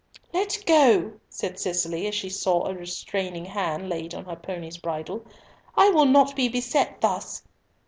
"Let go," said Cicely, as she saw a retaining hand laid on her pony's bridle; "I will not be beset thus."